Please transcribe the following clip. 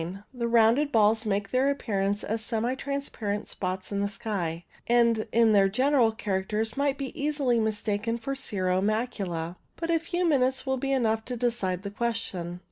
The rounded balls make their appear ance as semi transparent spots upon the sky, and in their general characters might easily be mistaken for cirro macula. But a few minutes will be enough to decide the question.